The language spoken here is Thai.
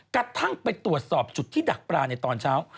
กระทั่งไปตรวจสอบจุดที่ดักปลาในตอนเช้า